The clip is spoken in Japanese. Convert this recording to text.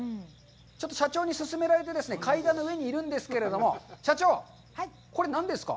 ちょっと社長に勧められて階段の上にいるんですけれども、社長、これ、何ですか？